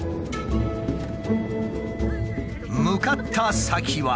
向かった先は。